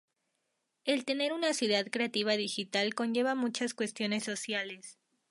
El tener una ciudad creativa digital conlleva muchas cuestiones sociales.